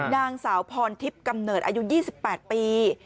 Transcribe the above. นางสาวพรทิพย์กำเนิดอายุ๒๘ปี